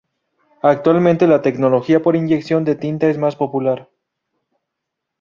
Actualmente la tecnología por inyección de tinta es la más popular.